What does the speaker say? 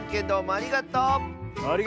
ありがとう！